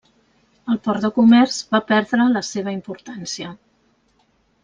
El port de comerç va perdre la seva importància.